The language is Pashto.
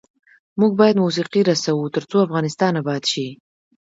موږ باید موسیقي رسوو ، ترڅو افغانستان اباد شي.